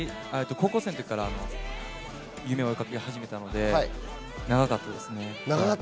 高校生の時から夢を追いかけ始めたので長かったですね。